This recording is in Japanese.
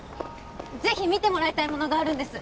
ぜひ見てもらいたいものがあるんです